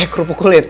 eh kerupuk kulit